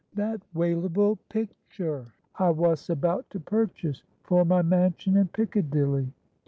That walable picter I wos about to purchase for my mansion in Piccadilly."